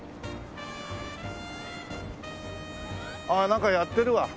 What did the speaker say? ああなんかやってるわ。